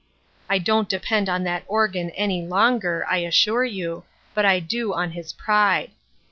I don't depend on that organ any longer, I assure you, but I do on his pride.